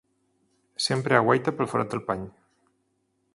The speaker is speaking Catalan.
Sempre aguaita pel forat del pany.